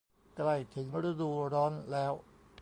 ใกล้ถึงฤดูร้อนแล้ว